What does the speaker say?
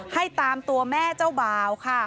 ให้ตามตัวแม่เจ้าบ่าวค่ะ